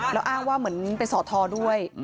แล้วอ้างว่าเหมือนเป็นสอทอด้วย